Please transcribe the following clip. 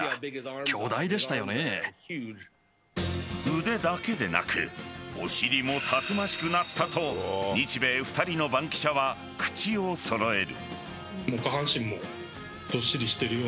腕だけでなくお尻もたくましくなったと日米２人の番記者は口を揃える。